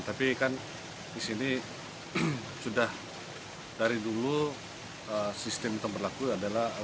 tapi kan di sini sudah dari dulu sistem itu berlaku adalah